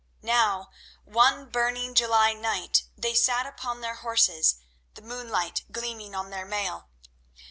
Now, one burning July night, they sat upon their horses, the moonlight gleaming on their mail.